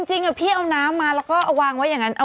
จริงพี่เอาน้ำมาแล้วก็เอาวางไว้อย่างนั้น